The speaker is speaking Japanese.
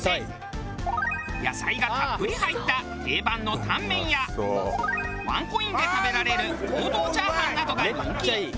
野菜がたっぷり入った定番のタンメンやワンコインで食べられる王道チャーハンなどが人気。